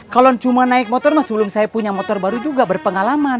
kalau cuma naik motor mas sebelum saya punya motor baru juga berpengalaman